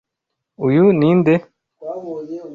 Uyu ni nde?